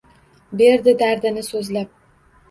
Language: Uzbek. Berdi dardini so‘zlab.